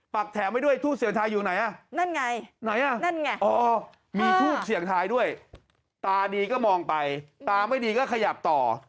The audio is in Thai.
ักแถมไว้ด้วยทูบเสียงทายอยู่ไหนอ่ะนั่นไงไหนอ่ะนั่นไงมีทูบเสี่ยงทายด้วยตาดีก็มองไปตาไม่ดีก็ขยับต่อ